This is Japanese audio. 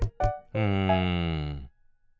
うん。